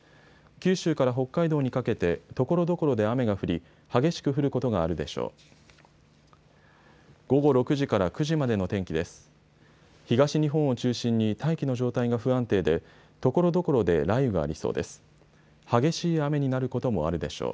九州から北海道にかけてところどころで雨が降り激しく降ることがあるでしょう。